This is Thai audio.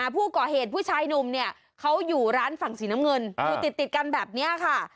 ผู้ก่อเหตุผู้ชายหนุ่มเขาอยู่ร้านฝั่งสีน้ำเงินอยู่ติดกันแบบนี้ค่ะ